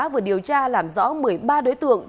vừa điều tra làm rõ một mươi ba đối tượng